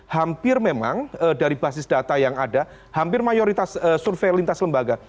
hampir memang dari basis data yang ada hampir mayoritas survei lintas lembaga